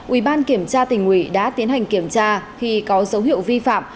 ubnd kiểm tra tỉnh ubnd đã tiến hành kiểm tra khi có dấu hiệu vi phạm